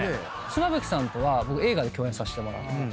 妻夫木さんとは僕映画で共演させてもらって。